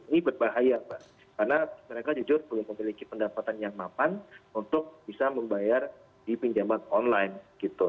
ini berbahaya mbak karena mereka jujur belum memiliki pendapatan yang mapan untuk bisa membayar di pinjaman online gitu